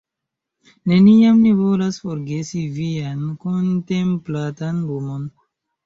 Neniam ni volas forgesi vian kontemplatan Lumon.